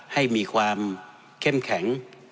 ให้มีความเข้มแข็ง